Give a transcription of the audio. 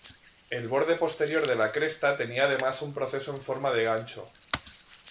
El borde posterior de la cresta tenía además un proceso en forma de gancho.